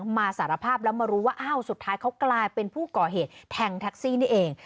วันหลังมาสารภาพแล้วมารู้ว่าสุดท้ายเขากลายเป็นผู้ก่อเหตุแทงก์แท็กซี่นี่เอง